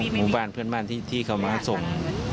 หมู่บ้านเพื่อนบ้านที่เขามาส่ง